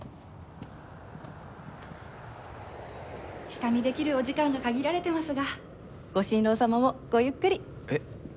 下見できるお時間が限られてますがご新郎様もごゆっくり。